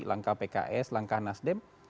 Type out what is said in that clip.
langkah pks langkah nasdem